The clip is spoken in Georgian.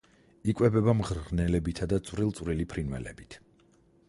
იკვებება მღრღნელებითა და წვრილ-წვრილი ფრინველებით.